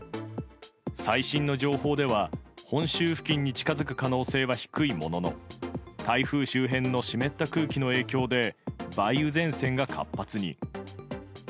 最新の情報では、本州付近に近づく可能性は低いものの台風周辺の湿った空気の影響で梅雨前線が活発に。